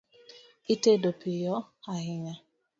Itedo piyo ahinya